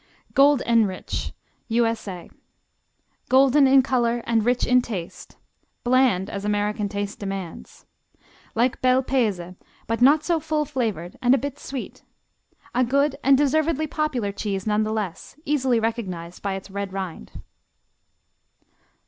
Gold N Rich U.S.A. Golden in color and rich in taste. Bland, as American taste demands. Like Bel Paese but not so full flavored and a bit sweet. A good and deservedly popular cheese none the less, easily recognized by its red rind.